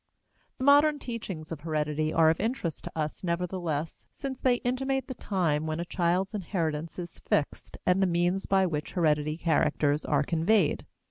The modern teachings of heredity are of interest to us, nevertheless, since they intimate the time when a child's inheritance is fixed and the means by which hereditary characters are conveyed.